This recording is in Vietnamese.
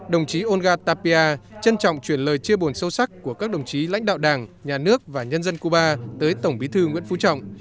đồng chí olga tapia trân trọng truyền lời chia buồn sâu sắc của các đồng chí lãnh đạo đảng nhà nước và nhân dân cuba tới tổng bí thư nguyễn phú trọng